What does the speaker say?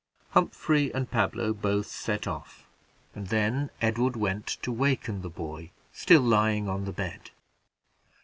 Humphrey and Pablo both set off, and then Edward went to waken the boy, still lying on the bed.